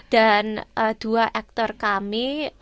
dan dua aktor kami